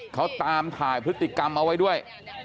เขาตามถ่ายพฤติกรรมเอาไว้ด้วย